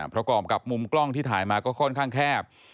ประกอบกับมุมกล้องที่ถ่ายมาก็ค่อนข้างแคบ